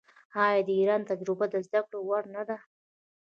آیا د ایران تجربه د زده کړې وړ نه ده؟